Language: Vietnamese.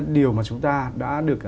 điều mà chúng ta đã được